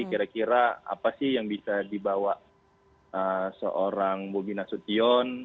kira kira apa sih yang bisa dibawa seorang bobi nasution